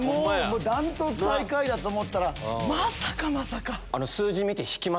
断トツ最下位だと思ったらまさかまさか！